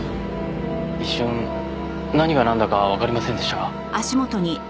一瞬何がなんだかわかりませんでしたが。